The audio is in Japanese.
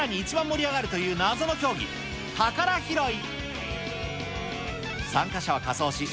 さらに一番盛り上がるという謎の競技、宝ひろい。